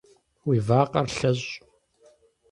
Уи вакъэр лъэщӏ.